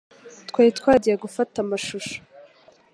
Twari twagiye gufata amashusho